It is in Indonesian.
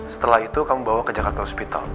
setelah itu kamu bawa ke jakarta hospital